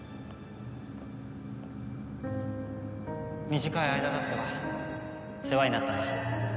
短い間だったが世話になったな。